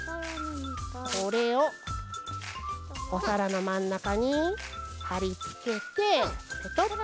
これをおさらのまんなかにはりつけてペトッと。